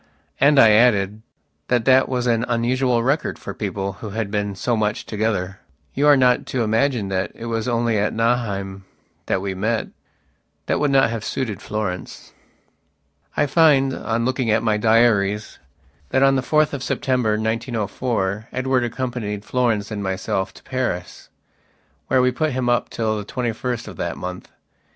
And I added, that that was an unusual record for people who had been so much together. You are not to imagine that it was only at Nauheim that we met. That would not have suited Florence. I find, on looking at my diaries, that on the 4th of September, 1904, Edward accompanied Florence and myself to Paris, where we put him up till the twenty first of that month.